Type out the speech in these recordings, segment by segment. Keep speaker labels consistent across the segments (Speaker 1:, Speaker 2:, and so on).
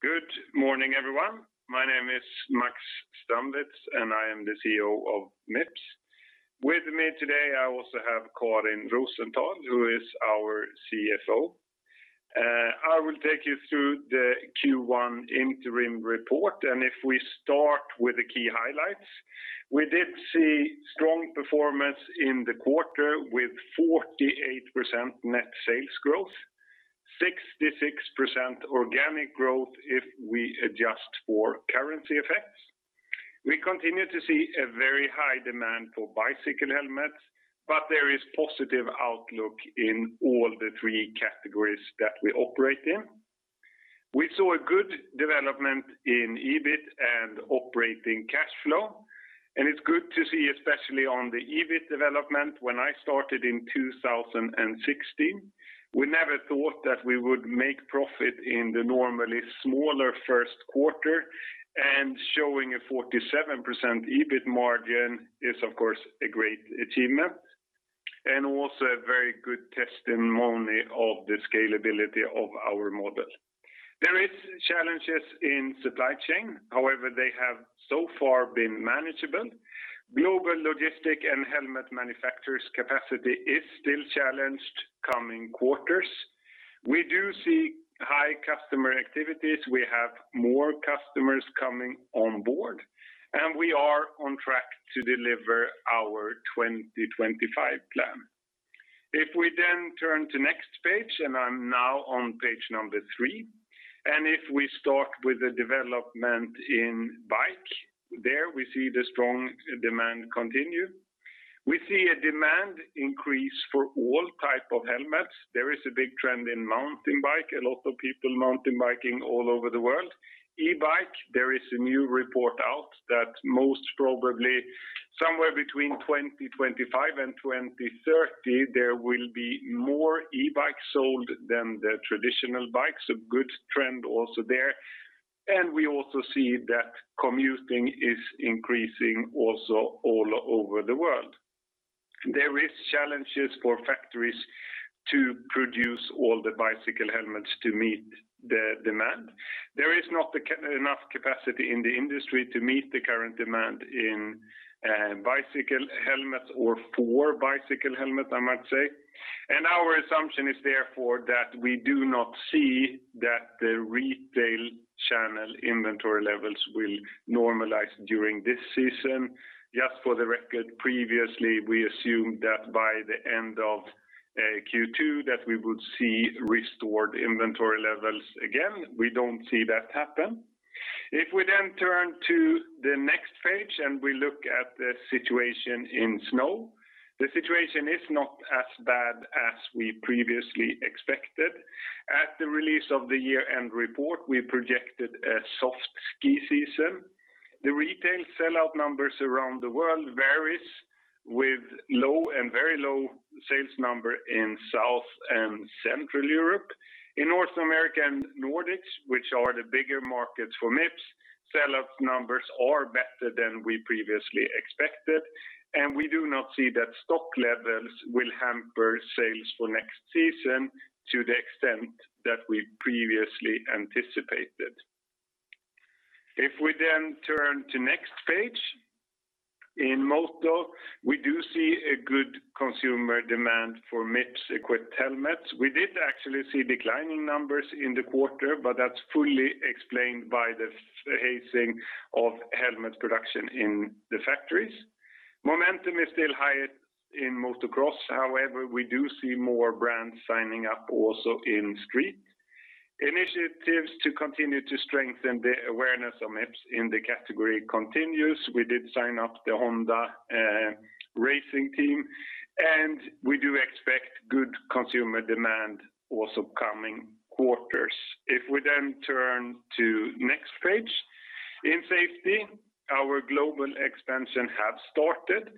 Speaker 1: Good morning, everyone. My name is Max Strandwitz, and I am the CEO of Mips. With me today, I also have Karin Rosenthal, who is our CFO. I will take you through the Q1 interim report, and if we start with the key highlights. We did see strong performance in the quarter with 48% net sales growth, 66% organic growth if we adjust for currency effects. We continue to see a very high demand for bicycle helmets, but there is positive outlook in all the three categories that we operate in. We saw a good development in EBIT and operating cash flow, and it is good to see, especially on the EBIT development. When I started in 2016, we never thought that we would make profit in the normally smaller first quarter, and showing a 47% EBIT margin is, of course, a great achievement, and also a very good testimony of the scalability of our model. There is challenges in supply chain. However, they have so far been manageable. Global logistic and helmet manufacturers' capacity is still challenged coming quarters. We do see high customer activities. We have more customers coming on board, and we are on track to deliver our 2025 plan. If we turn to next page, and I'm now on page number three, and if we start with the development in bike. There we see the strong demand continue. We see a demand increase for all type of helmets. There is a big trend in mountain bike, a lot of people mountain biking all over the world. E-bike, there is a new report out that most probably somewhere between 2025 and 2030, there will be more e-bikes sold than the traditional bikes. A good trend also there. We also see that commuting is increasing also all over the world. There is challenges for factories to produce all the bicycle helmets to meet the demand. There is not enough capacity in the industry to meet the current demand in bicycle helmets or for bicycle helmets, I might say. Our assumption is therefore that we do not see that the retail channel inventory levels will normalize during this season. Just for the record, previously, we assumed that by the end of Q2 that we would see restored inventory levels again. We don't see that happen. If we then turn to the next page and we look at the situation in snow. The situation is not as bad as we previously expected. At the release of the year-end report, we projected a soft ski season. The retail sell-out numbers around the world varies with low and very low sales number in South and Central Europe. In North America and Nordics, which are the bigger markets for Mips, sell-out numbers are better than we previously expected, and we do not see that stock levels will hamper sales for next season to the extent that we previously anticipated. If we turn to next page. In Moto, we do see a good consumer demand for Mips-equipped helmets. We did actually see declining numbers in the quarter, but that's fully explained by the phasing of helmet production in the factories. Momentum is still highest in motocross. However, we do see more brands signing up also in street. Initiatives to continue to strengthen the awareness of Mips in the category continues. We did sign up the Honda Racing Team, and we do expect good consumer demand also coming quarters. If we turn to next page. In Safety, our global expansion have started.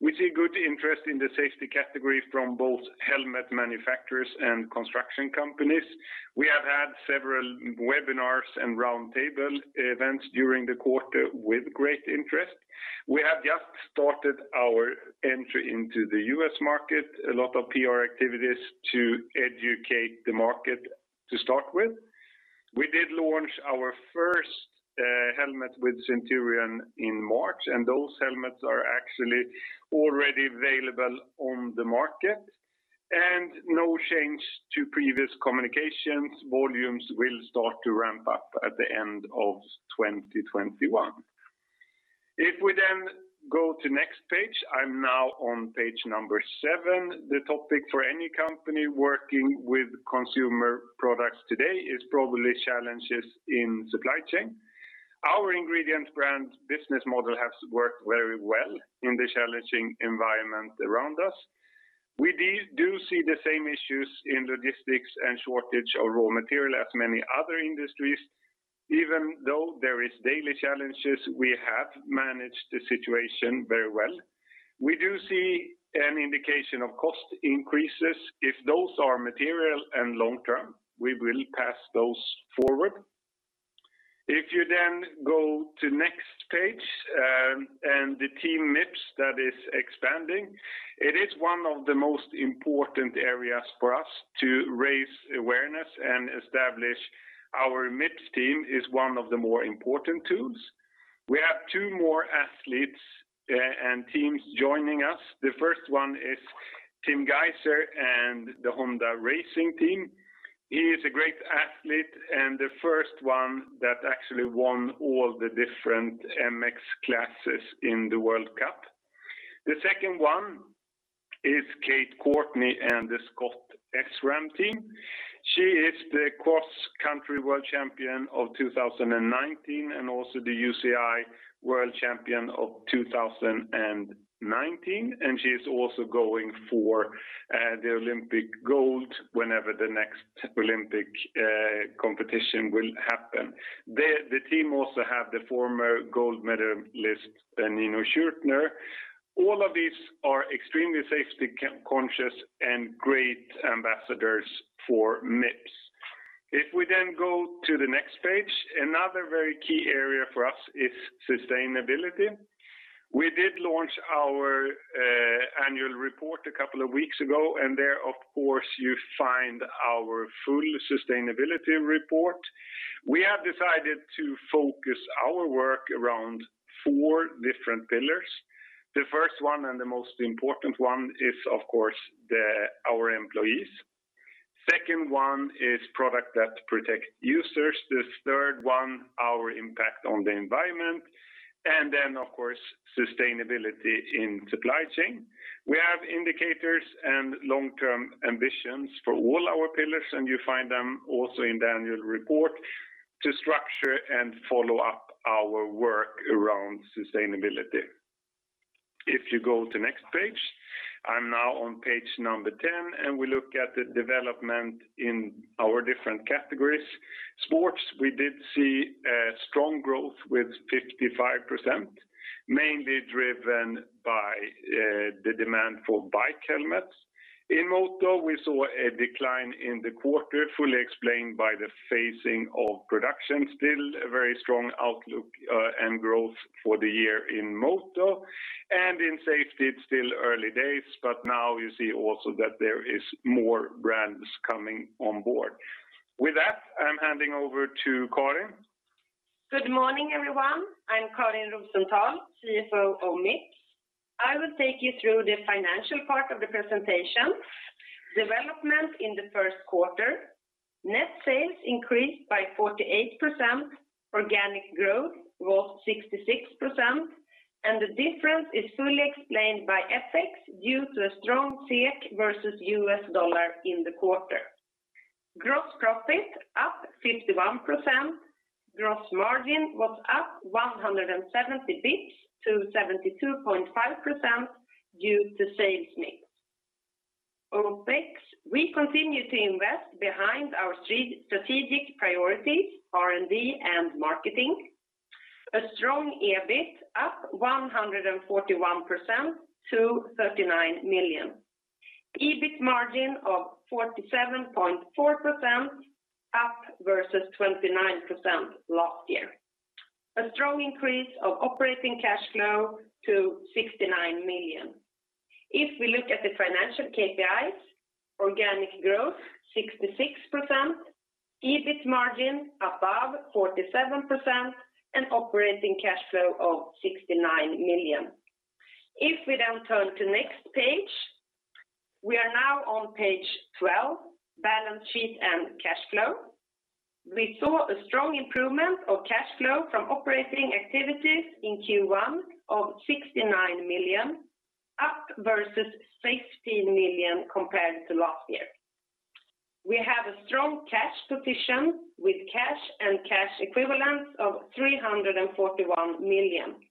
Speaker 1: We see good interest in the Safety category from both helmet manufacturers and construction companies. We have had several webinars and roundtable events during the quarter with great interest. We have just started our entry into the U.S. market, a lot of PR activities to educate the market to start with. We did launch our first helmet with Centurion in March, and those helmets are actually already available on the market. No change to previous communications. Volumes will start to ramp up at the end of 2021. If we go to next page, I'm now on page number seven. The topic for any company working with consumer products today is probably challenges in supply chain. Our ingredient brand business model has worked very well in the challenging environment around us. We do see the same issues in logistics and shortage of raw material as many other industries. Even though there is daily challenges, we have managed the situation very well. We do see an indication of cost increases. If those are material and long-term, we will pass those forward. You go to next page and the team Mips that is expanding, it is one of the most important areas for us to raise awareness and establish our Mips team is one of the more important tools. We have two more athletes and teams joining us. The first one is Tim Gajser and the Honda Racing Team. He is a great athlete and the first one that actually won all the different MX classes in the World Cup. The second one is Kate Courtney and the SCOTT-SRAM team. She is the Cross-Country World Champion of 2019 and also the UCI World Champion of 2019. She is also going for the Olympic Gold whenever the next Olympic competition will happen. The team also have the former gold medalist, Nino Schurter. All of these are extremely safety-conscious and great ambassadors for Mips. If we then go to the next page, another very key area for us is sustainability. We did launch our annual report a couple of weeks ago, and there, of course, you find our full sustainability report. We have decided to focus our work around four different pillars. The first one and the most important one is, of course, our employees. Second one is product that protect users. The third one, our impact on the environment, and then, of course, sustainability in supply chain. We have indicators and long-term ambitions for all our pillars, and you find them also in the annual report to structure and follow up our work around sustainability. If you go to next page. I'm now on page number 10, and we look at the development in our different categories. Sports, we did see strong growth with 55%, mainly driven by the demand for bike helmets. In Moto, we saw a decline in the quarter, fully explained by the phasing of production. Still a very strong outlook and growth for the year in Moto. In Safety, it's still early days, but now you see also that there is more brands coming on board. With that, I'm handing over to Karin.
Speaker 2: Good morning, everyone. I'm Karin Rosenthal, CFO of Mips. I will take you through the financial part of the presentation. Development in the first quarter, net sales increased by 48%. Organic growth was 66%, and the difference is fully explained by FX due to a strong SEK versus US dollar in the quarter. Gross profit up 51%. Gross margin was up 170 basis points to 72.5% due to sales mix. OPEX, we continue to invest behind our strategic priorities, R&D and marketing. A strong EBIT up 141% to 39 million. EBIT margin of 47.4% up versus 29% last year. A strong increase of operating cash flow to 69 million. If we look at the financial KPIs, organic growth 66%, EBIT margin above 47%, and operating cash flow of 69 million. If we turn to next page, we are now on page 12, balance sheet and cash flow. We saw a strong improvement of cash flow from operating activities in Q1 of 69 million, up versus 15 million compared to last year. We have a strong cash position with cash and cash equivalents of 341 million.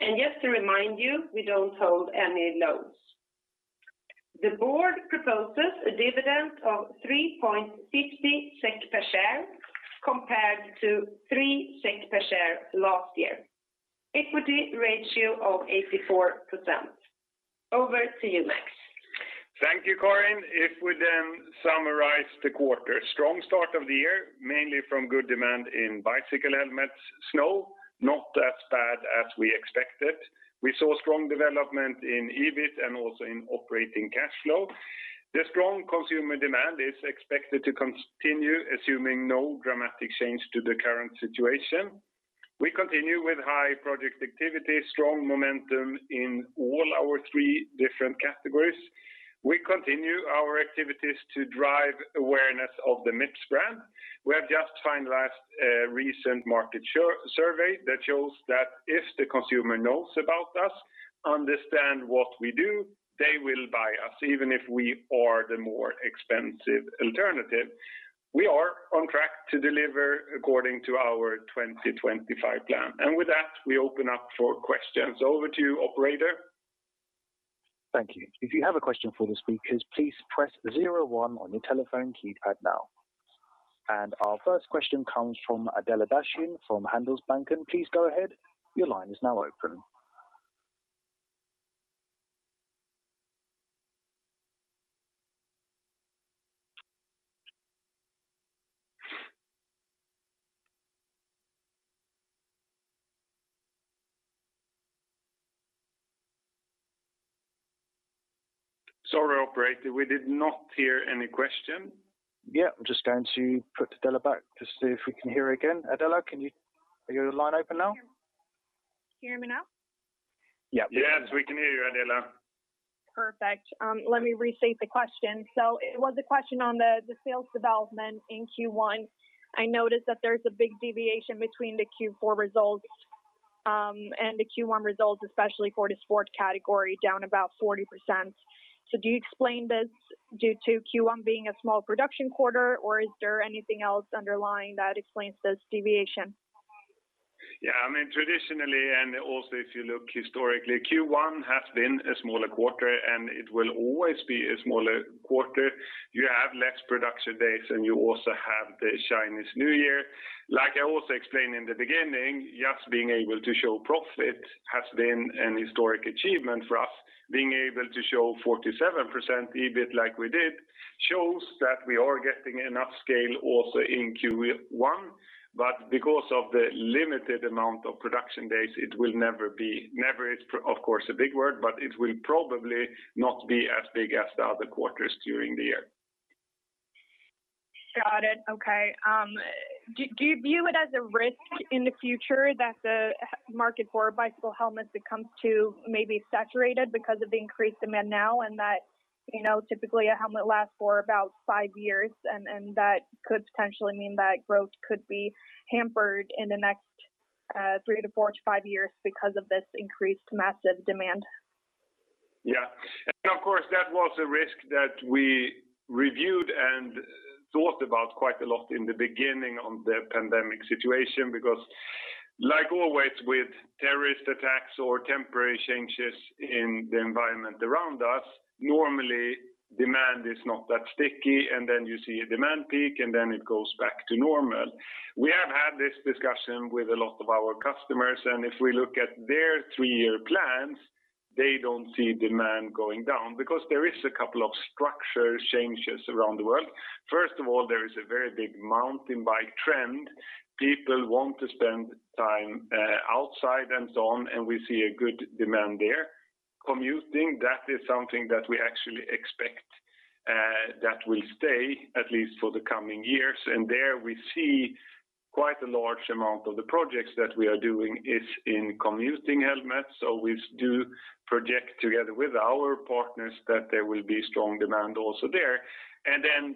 Speaker 2: Just to remind you, we don't hold any loans. The Board proposes a dividend of 3.50 SEK per share compared to 3 SEK per share last year. Equity ratio of 84%. Over to you, Max.
Speaker 1: Thank you, Karin. If we summarize the quarter. Strong start of the year, mainly from good demand in bicycle helmets. Snow, not as bad as we expected. We saw strong development in EBIT and also in operating cash flow. The strong consumer demand is expected to continue, assuming no dramatic change to the current situation. We continue with high project activity, strong momentum in all our three different categories. We continue our activities to drive awareness of the Mips brand. We have just finalized a recent market survey that shows that if the consumer knows about us, understand what we do, they will buy us, even if we are the more expensive alternative. We are on track to deliver according to our 2025 plan. With that, we open up for questions. Over to you, operator.
Speaker 3: Thank you. If you have a question for the speakers, please press zero one on your telephone keypad now. Our first question comes from Adela Dashian from Handelsbanken. Please go ahead.
Speaker 1: Sorry, operator. We did not hear any question.
Speaker 3: Yeah. I'm just going to put Adela back to see if we can hear her again. Adela, are you line open now?
Speaker 4: Can you hear me now?
Speaker 3: Yeah.
Speaker 1: Yes, we can hear you, Adela.
Speaker 4: Perfect. Let me restate the question. It was a question on the sales development in Q1. I noticed that there's a big deviation between the Q4 results, and the Q1 results, especially for the Sports category, down about 40%. Do you explain this due to Q1 being a small production quarter, or is there anything else underlying that explains this deviation?
Speaker 1: Yeah. Traditionally, and also if you look historically, Q1 has been a smaller quarter, and it will always be a smaller quarter. You have less production days, and you also have the Chinese New Year. Like I also explained in the beginning, just being able to show profit has been an historic achievement for us. Being able to show 47% EBIT like we did shows that we are getting enough scale also in Q1, but because of the limited amount of production days, it will never be, never is, of course, a big word, but it will probably not be as big as the other quarters during the year.
Speaker 4: Got it. Okay. Do you view it as a risk in the future that the market for bicycle helmets becomes maybe saturated because of the increased demand now, and that typically a helmet lasts for about five years, and that could potentially mean that growth could be hampered in the next three to four to five years because of this increased massive demand?
Speaker 1: Yeah. Of course, that was a risk that we reviewed and thought about quite a lot in the beginning of the pandemic situation, because like always with terrorist attacks or temporary changes in the environment around us, normally demand is not that sticky. Then you see a demand peak, and then it goes back to normal. We have had this discussion with a lot of our customers, if we look at their three-year plans, they don't see demand going down because there is a couple of structure changes around the world. First of all, there is a very big mountain bike trend. People want to spend time outside and so on, we see a good demand there. Commuting, that is something that we actually expect that will stay at least for the coming years. There we see quite a large amount of the projects that we are doing is in commuting helmets. We do project together with our partners that there will be strong demand also there.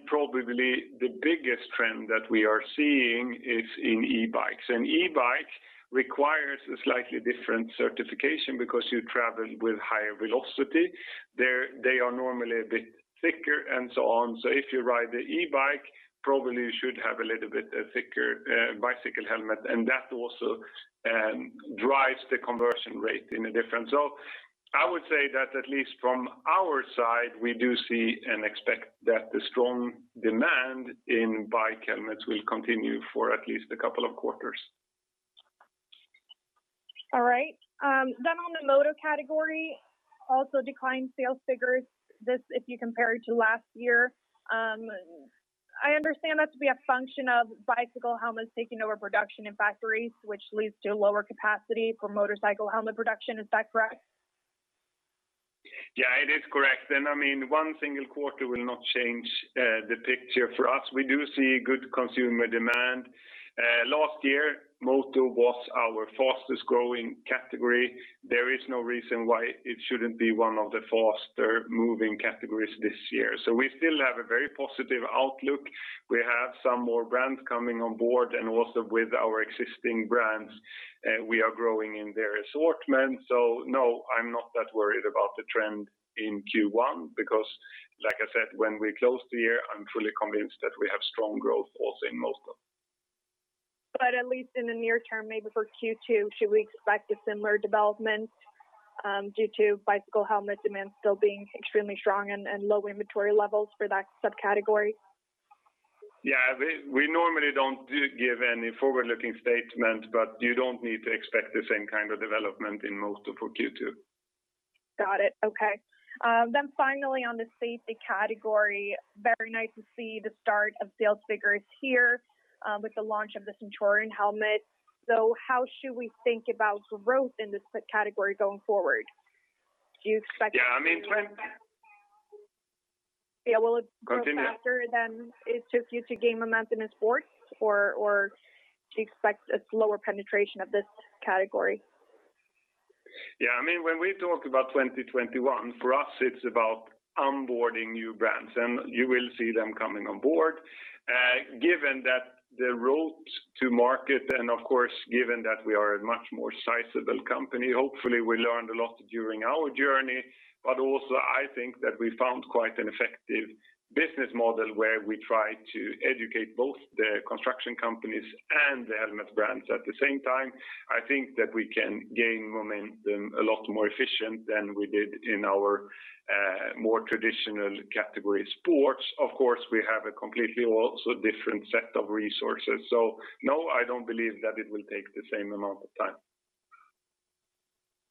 Speaker 1: Probably the biggest trend that we are seeing is in e-bikes. E-bikes requires a slightly different certification because you travel with higher velocity. They are normally a bit thicker and so on. If you ride the e-bike, probably you should have a little bit thicker bicycle helmet, and that also drives the conversion rate in a different. I would say that at least from our side, we do see and expect that the strong demand in bike helmets will continue for at least a couple of quarters.
Speaker 4: All right. On the Moto category, also declined sales figures. This, if you compare it to last year, I understand that to be a function of bicycle helmets taking over production in factories, which leads to lower capacity for motorcycle helmet production. Is that correct?
Speaker 1: Yeah, it is correct. One single quarter will not change the picture for us. We do see good consumer demand. Last year, Moto was our fastest-growing category. There is no reason why it shouldn't be one of the faster-moving categories this year. We still have a very positive outlook. We have some more brands coming on board, and also with our existing brands, we are growing in their assortment. No, I'm not that worried about the trend in Q1 because, like I said, when we close the year, I'm truly convinced that we have strong growth also in Moto.
Speaker 4: At least in the near term, maybe for Q2, should we expect a similar development due to bicycle helmet demand still being extremely strong and low inventory levels for that subcategory?
Speaker 1: Yeah. We normally don't give any forward-looking statement, but you don't need to expect the same kind of development in Moto for Q2.
Speaker 4: Got it. Okay. Finally on the Safety category, very nice to see the start of sales figures here with the launch of the Centurion helmet. How should we think about growth in this category going forward? Do you expect-
Speaker 1: Yeah, I mean.
Speaker 4: Yeah.
Speaker 1: Continue....
Speaker 4: grow faster than it took you to gain momentum in Sports, or do you expect a slower penetration of this category?
Speaker 1: When we talk about 2021, for us, it's about onboarding new brands, and you will see them coming on board. Given that the route to market, and of course, given that we are a much more sizable company, hopefully we learned a lot during our journey. Also, I think that we found quite an effective business model where we try to educate both the construction companies and the helmet brands at the same time. I think that we can gain momentum a lot more efficient than we did in our more traditional category Sports. Of course, we have a completely also different set of resources. No, I don't believe that it will take the same amount of time.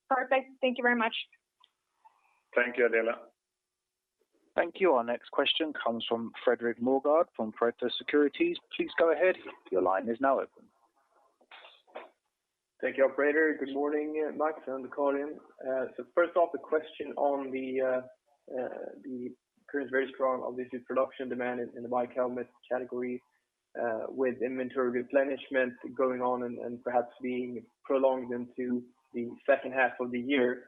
Speaker 4: Perfect. Thank you very much.
Speaker 1: Thank you, Adela.
Speaker 3: Thank you. Our next question comes from Fredrik Moregård from Pareto Securities. Please go ahead. Your line is now open.
Speaker 5: Thank you, operator. Good morning, Max and Karin. First off, a question on the current very strong, obviously production demand in the bike helmet category, with inventory replenishment going on and perhaps being prolonged into the second half of the year.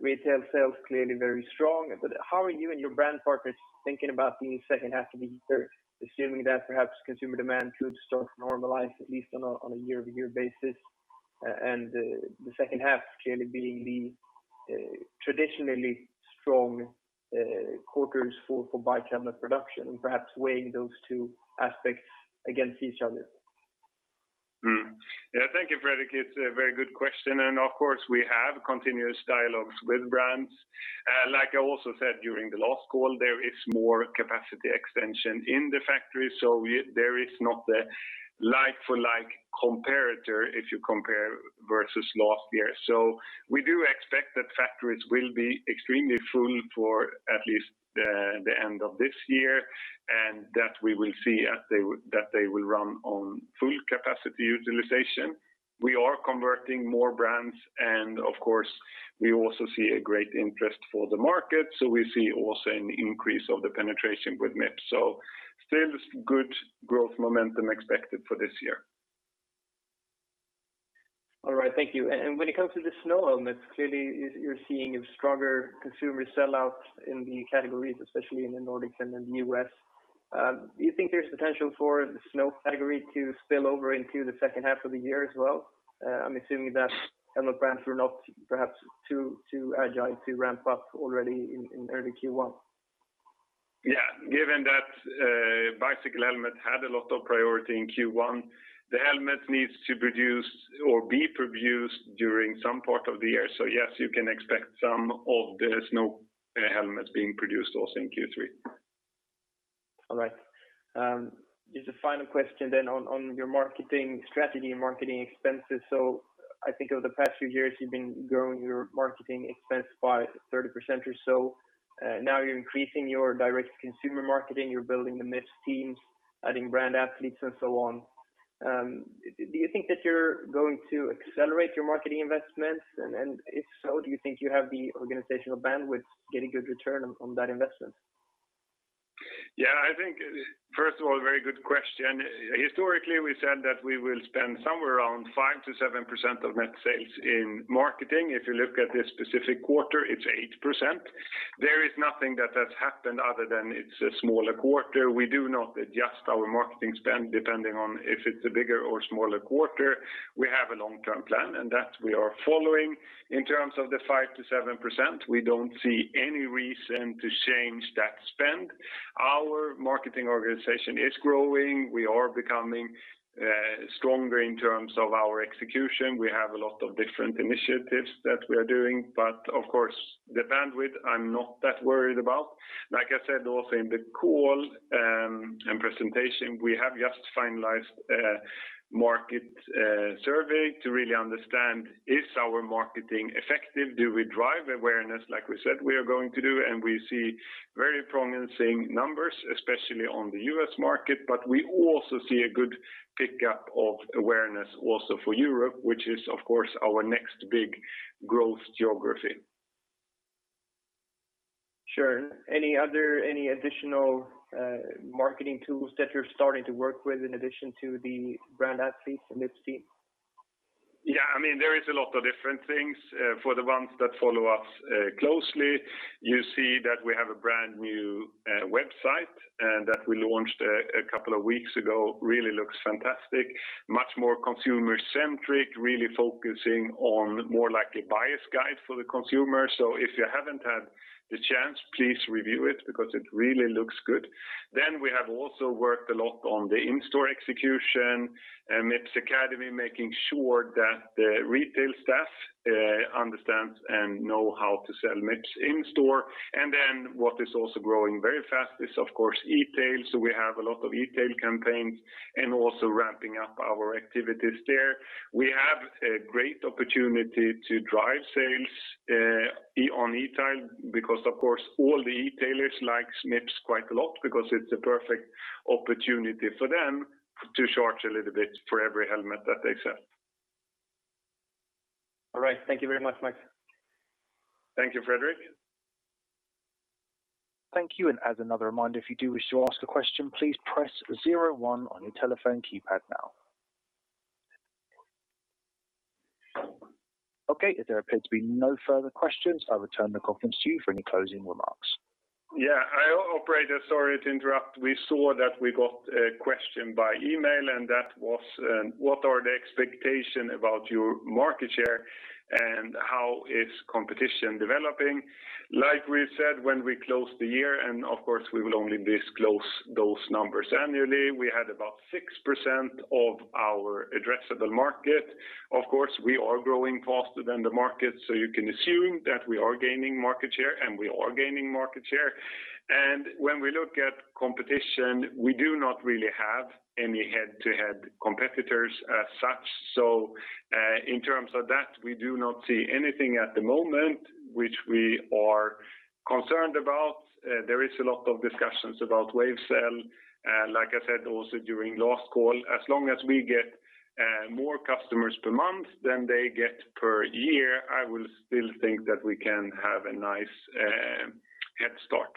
Speaker 5: Retail sales clearly very strong. How are you and your brand partners thinking about the second half to be third, assuming that perhaps consumer demand should start to normalize, at least on a year-over-year basis? The second half clearly being the traditionally strong quarters for bike helmet production, and perhaps weighing those two aspects against each other.
Speaker 1: Thank you, Fredrik. It's a very good question, and of course we have continuous dialogues with brands. Like I also said during the last call, there is more capacity extension in the factory. There is not a like for like comparator if you compare versus last year. We do expect that factories will be extremely full for at least the end of this year, and that we will see that they will run on full capacity utilization. We are converting more brands and of course we also see a great interest for the market. We see also an increase of the penetration with Mips. Still good growth momentum expected for this year.
Speaker 5: All right. Thank you. When it comes to the snow helmets, clearly you're seeing a stronger consumer sell out in the categories, especially in the Nordics and in the U.S. Do you think there's potential for the snow category to spill over into the second half of the year as well? I'm assuming that helmet brands were not perhaps too agile to ramp up already in early Q1.
Speaker 1: Yeah. Given that bicycle helmet had a lot of priority in Q1, the helmets needs to produce or be produced during some part of the year. Yes, you can expect some of the snow helmets being produced also in Q3.
Speaker 5: All right. Just a final question on your marketing strategy and marketing expenses. I think over the past few years, you've been growing your marketing expense by 30% or so. Now you're increasing your direct consumer marketing, you're building the Mips teams, adding brand athletes and so on. Do you think that you're going to accelerate your marketing investments? If so, do you think you have the organizational bandwidth to get a good return on that investment?
Speaker 1: Yeah, I think, first of all, very good question. Historically, we said that we will spend somewhere around 5%-7% of net sales in marketing. If you look at this specific quarter, it's 8%. There is nothing that has happened other than it's a smaller quarter. We do not adjust our marketing spend depending on if it's a bigger or smaller quarter. We have a long-term plan that we are following. In terms of the 5%-7%, we don't see any reason to change that spend. Our marketing organization is growing. We are becoming stronger in terms of our execution. We have a lot of different initiatives that we are doing, of course, the bandwidth, I'm not that worried about. Like I said also in the call and presentation, we have just finalized a market survey to really understand is our marketing effective? Do we drive awareness like we said we are going to do? We see very promising numbers, especially on the U.S. market, but we also see a good pickup of awareness also for Europe, which is, of course, our next big growth geography.
Speaker 5: Sure. Any additional marketing tools that you're starting to work with in addition to the brand athletes and Mips team?
Speaker 1: There is a lot of different things. For the ones that follow us closely, you see that we have a brand new website that we launched a couple of weeks ago. Really looks fantastic, much more consumer-centric, really focusing on more like a buyer's guide for the consumer. If you haven't had the chance, please review it because it really looks good. We have also worked a lot on the in-store execution, Mips Academy, making sure that the retail staff understand and know how to sell Mips in store. What is also growing very fast is, of course, e-tail. We have a lot of e-tail campaigns and also ramping up our activities there. We have a great opportunity to drive sales on e-tail because, of course, all the e-tailers likes Mips quite a lot because it's a perfect opportunity for them to charge a little bit for every helmet that they sell.
Speaker 5: All right. Thank you very much, Max.
Speaker 1: Thank you, Fredrik.
Speaker 3: Thank you, and as another reminder, if you do wish to ask a question, please press zero one on your telephone keypad now. Okay, there appears to be no further questions. I'll return the conference to you for any closing remarks.
Speaker 1: Yeah. Operator, sorry to interrupt. We saw that we got a question by email, and that was, what are the expectation about your market share and how is competition developing? Like we said, when we closed the year, of course we will only disclose those numbers annually. We had about 6% of our addressable market. Of course, we are growing faster than the market, so you can assume that we are gaining market share. When we look at competition, we do not really have any head-to-head competitors as such. In terms of that, we do not see anything at the moment which we are concerned about. There is a lot of discussions about WaveCel. Like I said also during last call, as long as we get more customers per month than they get per year, I will still think that we can have a nice head start.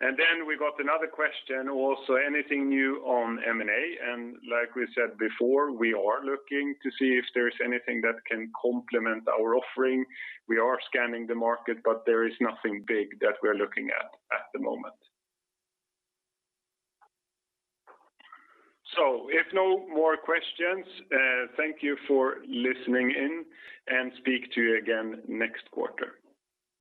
Speaker 1: Then we got another question also, anything new on M&A? Like we said before, we are looking to see if there's anything that can complement our offering. We are scanning the market, but there is nothing big that we're looking at the moment. If no more questions, thank you for listening in, and speak to you again next quarter.